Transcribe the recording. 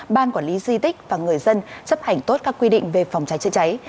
ban quản lý di tích và người dân chấp hành tốt các quy định về phòng cháy chữa cháy